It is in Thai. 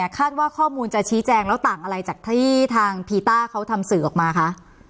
คาดว่าข้อมูลจะชี้แจงแล้วต่างอะไรจากที่ทางพีต้าเขาทำสื่อออกมาคะ